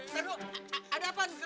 taduh ada apaan